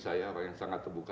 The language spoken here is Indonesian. apakah kita gak terbuka